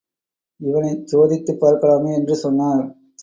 ″இவனைச் சோதித்துப் பார்க்கலாமே! என்று சொன்னார்.